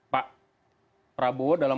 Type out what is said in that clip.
pak prabowo dalam